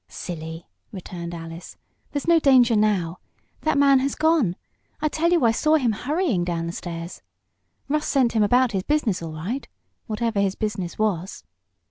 "Silly!" returned Alice. "There's no danger now. That man has gone. I tell you I saw him hurrying down the stairs. Russ sent him about his business, all right whatever his business was."